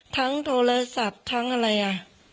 โทรศัพท์ทั้งอะไรอ่ะ